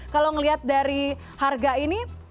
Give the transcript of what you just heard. kalau melihat dari harga ini